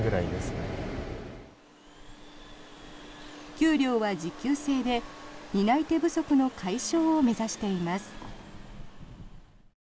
給料は時給制で担い手不足の解消を目指しています。